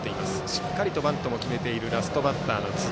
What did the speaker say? しっかりとバントも決めているラストバッターの辻。